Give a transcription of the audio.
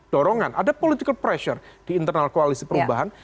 dorongan ada political pressure di internal koalisi perubahan